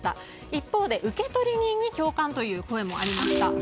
一方で受取人に共感という声もありました。